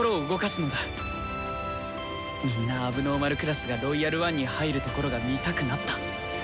みんな問題児クラスが「ロイヤル・ワン」に入るところが見たくなった。